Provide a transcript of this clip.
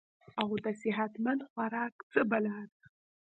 او صحت مند خوراک څۀ بلا ده -